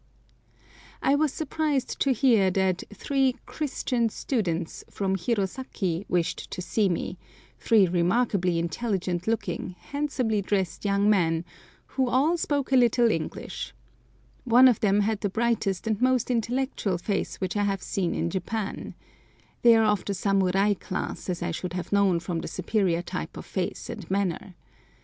I was surprised to hear that three "Christian students" from Hirosaki wished to see me—three remarkably intelligent looking, handsomely dressed young men, who all spoke a little English. One of them had the brightest and most intellectual face which I have seen in Japan. They are of the samurai class, as I should have known from the superior type of face and manner.